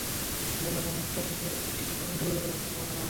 বেলা পৌনে একটার দিকে বীথিকে ময়মনসিংহ মেডিকেল কলেজ হাসপাতালে পাঠানো হয়।